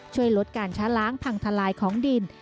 ช่วยลดการช้าล้างพังทลายของดิน